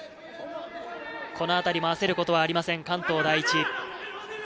このあたりも焦ることはありません、関東第一。